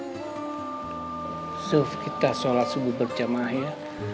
yusuf kita sholat subuh berjamah ya